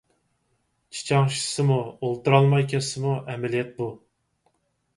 چىچاڭشىسىمۇ، ئولتۇرالماي كەتسىمۇ ئەمەلىيەت بۇ.